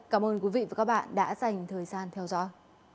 cảm ơn quý vị và các bạn đã dành thời gian theo dõi